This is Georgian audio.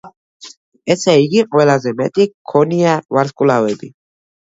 ესე იგი ყველაზე მეტი გვქონია ვარსკვლავები.